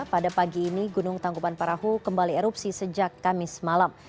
pada pagi ini gunung tangkuban parahu kembali erupsi sejak kamis malam